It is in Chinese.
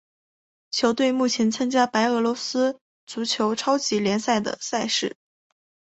球队目前参加白俄罗斯足球超级联赛的赛事。